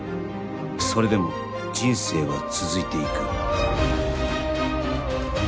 それでも人生は続いていく